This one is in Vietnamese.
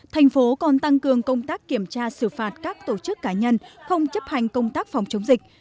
thành phố còn tăng cường công tác kiểm tra xử phạt các tổ chức cá nhân không chấp hành công tác phòng chống dịch